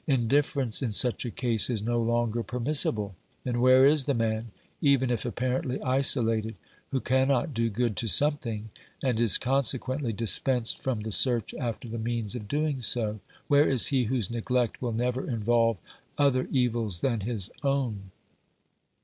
Indifference in such a case is no longer permissible; and where is the man, even if apparently isolated, who cannot do good to something and is consequently dispensed from the search after the means of doing so ? Where is he whose neglect will never involve other evils than his own